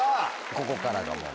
ここからが問題。